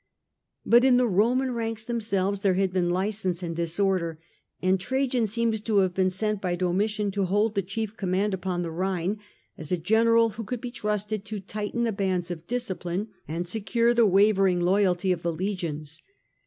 But in the Roman ranks themselves there had been licence and disorder, and Trajan seems to have been sent by Domitian to hold the chief command upon the Rhine, as a general who could be trusted to tighten the bands of discipline and secure the wavering loyalty of the legions.